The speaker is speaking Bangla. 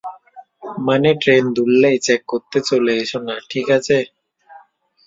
মানে, ট্রেন দুললেই, চেক করতে চলে এসো না, ঠিক আছে?